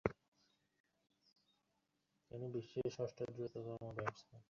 তিনি বিশ্বের ষষ্ঠ দ্রুততম ব্যাটসম্যান।